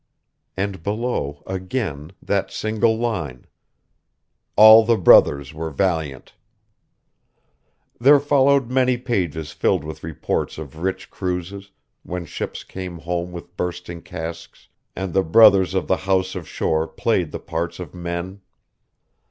And below, again, that single line: "'All the brothers were valiant.'" There followed many pages filled with reports of rich cruises, when ships came home with bursting casks, and the brothers of the House of Shore played the parts of men.